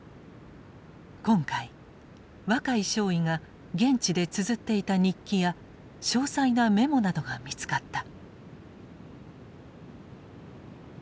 今回若井少尉が現地でつづっていた日記や詳細なメモなどが見つかった。